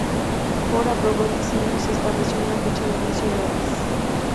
Ford aprobó el diseño y se estableció una fecha de inicio de obras.